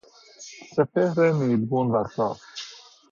سپهر نیلگون و صاف